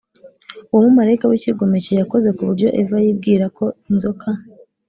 uwo marayika w icyigomeke yakoze ku buryo eva yibwira ko inzoka